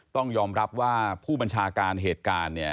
ต้องยอมรับว่าผู้บัญชาการเหตุการณ์เนี่ย